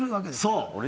そう。